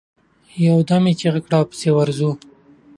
يودم يې چيغه کړه! پسې ورځو.